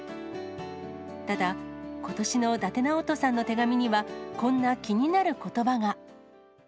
ただ、ことしの伊達直人さんの手紙には、こんな気になることばが。